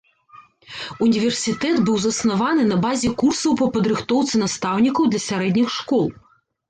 Універсітэт быў заснаваны на базе курсаў па падрыхтоўцы настаўнікаў для сярэдніх школ.